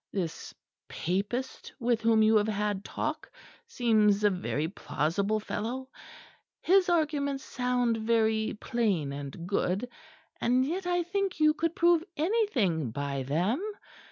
This Papist with whom you have had talk seems a very plausible fellow. His arguments sound very plain and good; and yet I think you could prove anything by them.